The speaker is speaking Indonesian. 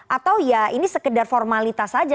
atau ya ini sekedar formalitas saja